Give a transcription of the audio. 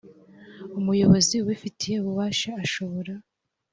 umuyobozi ubifitiye ububasha ashobora